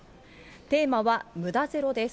テーマはむだゼロです。